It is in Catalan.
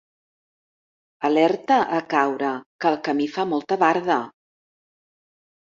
Alerta a caure, que el camí fa molta barda.